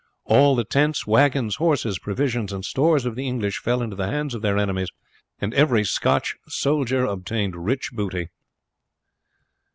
All the tents, wagons, horses, provisions, and stores of the English fell into the hands of their enemies, and every Scotch soldier obtained rich booty.